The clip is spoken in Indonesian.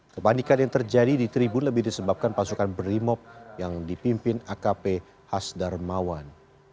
kepanikan yang terjadi di tribun lebih disebabkan pasukan berimob yang dipimpin akp hasdarmawan